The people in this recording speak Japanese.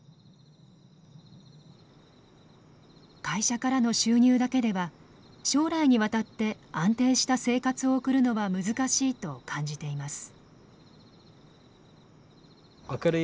会社からの収入だけでは将来にわたって安定した生活を送るのは難しいと感じています。